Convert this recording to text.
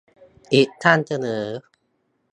อีกท่านเสนอ